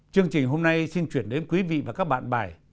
chương trình hôm nay xin chuyển đến quý vị và các bạn bài